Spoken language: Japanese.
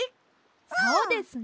そうですね！